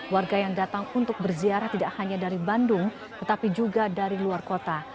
warga yang datang untuk berziarah tidak hanya dari bandung tetapi juga dari luar kota